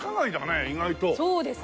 そうですね。